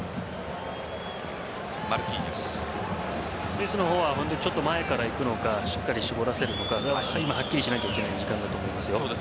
スイスの方はちょっと前から行くのかしっかり絞らせるのか今、はっきりしないといけない時間だと思いますよ。